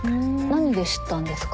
何で知ったんですか？